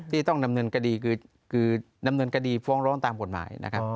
ที่ต้องนำเนินกดีคือนำเนินกดีฟ้องร้องตามกฎหมาย